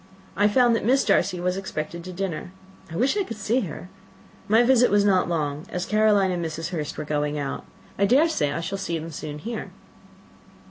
I found that Miss Darcy was expected to dinner: I wish I could see her. My visit was not long, as Caroline and Mrs. Hurst were going out. I dare say I shall soon see them here."